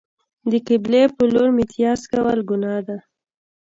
د قبلې په لور میتیاز کول گناه ده.